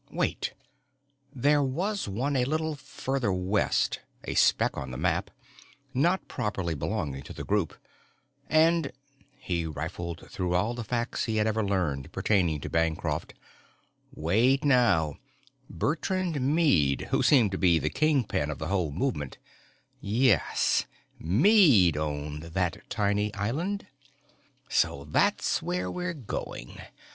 Wait, there was one a little further west, a speck on the map, not properly belonging to the group. And he riffled through all the facts he had ever learned pertaining to Bancroft. Wait now, Bertrand Meade, who seemed to be the kingpin of the whole movement yes, Meade owned that tiny island. _So that's where we're going!